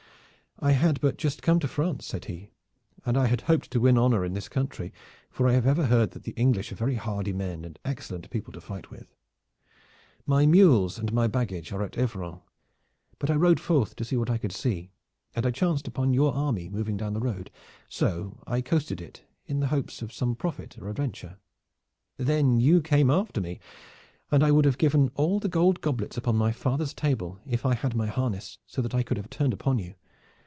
"I had but just come from France," said he, "and I had hoped to win honor in this country, for I have ever heard that the English are very hardy men and excellent people to fight with. My mules and my baggage are at Evran; but I rode forth to see what I could see, and I chanced upon your army moving down the road, so I coasted it in the hopes of some profit or adventure. Then you came after me and I would have given all the gold goblets upon my father's table if I had my harness so that I could have turned upon you.